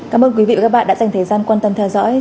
cảm ơn quý vị và các bạn đã dành thời gian quan tâm theo dõi